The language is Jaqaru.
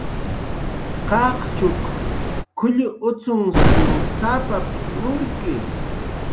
"Qaqchuq k""ullun ucx""unsaw cx""apap"" nurki"